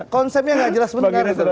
konsepnya gak jelas bener